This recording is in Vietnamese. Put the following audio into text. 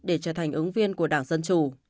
để trở thành ứng viên của đảng dân chủ